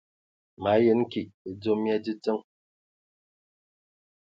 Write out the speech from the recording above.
Ma yəm kig edzom mia dzədzəŋ.